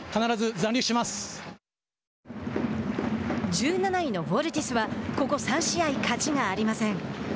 １７位のヴォルティスはここ３試合勝ちがありません。